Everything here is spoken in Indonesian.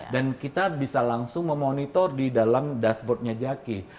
dan kita bisa langsung memonitor di dalam dashboardnya jaki